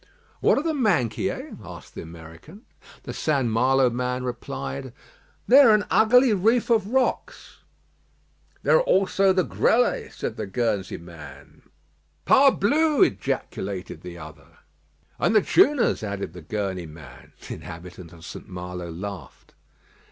"What are the Minquiers?" asked the American. The St. Malo man replied: "They are an ugly reef of rocks." "There are also the Grelets," said the Guernsey man. "Parblus!" ejaculated the other. "And the Chouas," added the Guernsey man. The inhabitant of St. Malo laughed.